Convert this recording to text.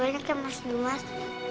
makasih banyak ya mas dimas